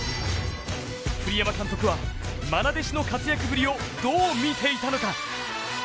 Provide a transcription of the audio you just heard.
栗山監督はまな弟子の活躍ぶりをどう見ていたのか。